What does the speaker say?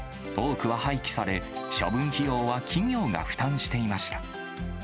多くは廃棄され、処分費用は企業が負担していました。